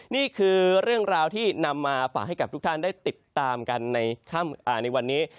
นี่คือเรื่องราวที่นำมาฝากให้กับทุกท่านได้ติดตามกันในวันนี้